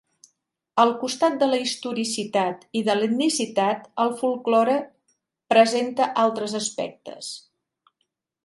Al costat de la historicitat i de l’etnicitat, el folklore presenta altres aspectes.